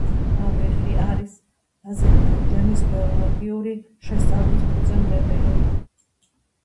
აბიხი არის აზერბაიჯანის გეოლოგიური შესწავლის ფუძემდებელი.